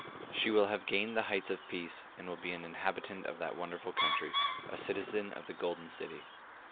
She will have gained the heights of Peace, and will be an inhabitant of that wonderful country, a citizen of the golden city."